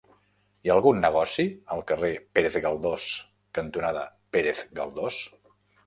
Hi ha algun negoci al carrer Pérez Galdós cantonada Pérez Galdós?